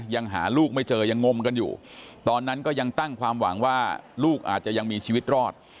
ยังหาลูกไม่เจอยังงมกันอยู่ตอนนั้นก็ยังตั้งความหวังว่าลูกอาจจะยังมีชีวิตรอด